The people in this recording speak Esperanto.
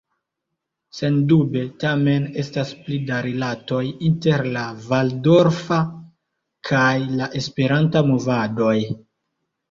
Sendube tamen estas pli da rilatoj inter la valdorfa kaj la esperanta movadoj.